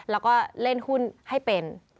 แล้วก็เล่นหุ้นให้เป็น